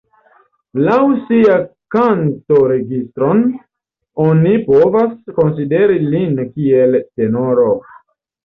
Laŭ sia kanto-registron, oni povas konsideri lin kiel tenoro.